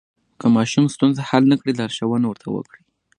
که ماشوم ستونزه حل نه کړي، لارښوونه ورته وکړئ.